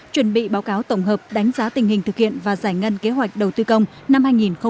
chuẩn bị báo cáo tổng hợp đánh giá tình hình thực hiện và giải ngân kế hoạch đầu tư công năm hai nghìn hai mươi